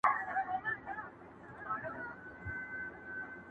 یوه شپه غېږه د جانان او زما ټوله ځواني،